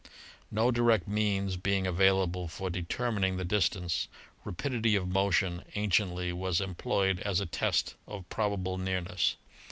No direct means being available for determin ing the distance, rapidity of motion anciently was em ployed as a test of probable nearness.